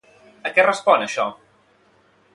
A què respon això?